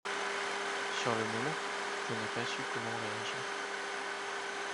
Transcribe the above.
Sur le moment, je n'ai pas su comment réagir.